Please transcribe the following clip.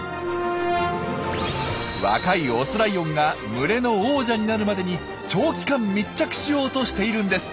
若いオスライオンが群れの王者になるまでに長期間密着しようとしているんです。